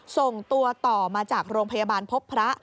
ส่งตัวต่อมาจากโรงพยาบาลพบพระ